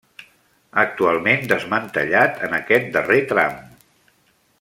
Actualment desmantellat en aquest darrer tram.